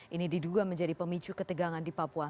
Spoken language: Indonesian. ini diduga menjadi pemicu ketegangan di papua